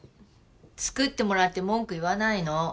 作ってもらって文句言わないの。